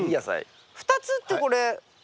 ２つってこれ。